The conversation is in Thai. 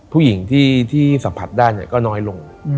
ผู้หญิงที่สัมผัสได้ก็น้อยลง